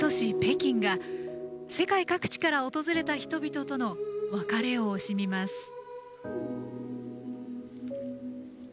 ・北京が、世界各地から訪れた人々との別れを惜しみます。